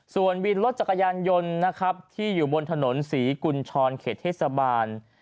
ส่วนวินรถจักรยานยนต์นะครับที่อยู่บนถนนศรีกุญชรเขตเทศบาล